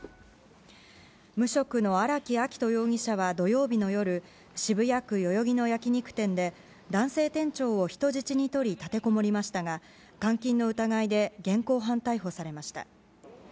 無職の荒木秋冬容疑者は土曜日の夜渋谷区代々木の焼き肉店で男性店長を人質に取り立てこもりましたが監禁の疑いで現行犯逮捕されました。